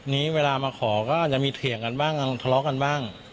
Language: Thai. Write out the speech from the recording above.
นี้เวลามาขอก็อาจจะมีเถียงกันบ้างทะเลาะกันบ้าง